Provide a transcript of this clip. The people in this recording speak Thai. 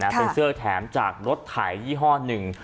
เป็นเสื้อแถมจากรถไถยี่ห้อหนึ่ง